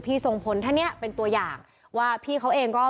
ก็ต้องรับทุกสิ่งทุกอย่างที่เขาให้ผมมา